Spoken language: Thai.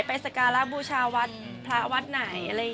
สการะบูชาวัดพระวัดไหนอะไรอย่างนี้